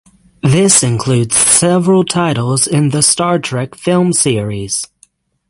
This includes several titles in the "Star Trek" film series.